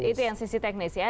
itu yang sisi teknis ya